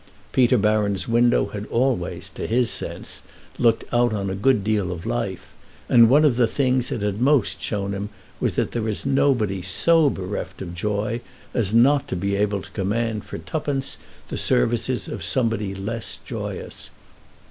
Peter Baron's window had always, to his sense, looked out on a good deal of life, and one of the things it had most shown him was that there is nobody so bereft of joy as not to be able to command for twopence the services of somebody less joyous.